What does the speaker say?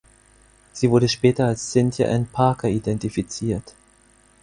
Sie wurde später als Cynthia Ann Parker identifiziert.